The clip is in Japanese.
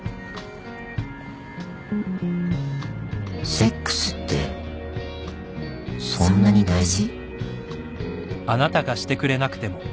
・セックスってそんなに大事？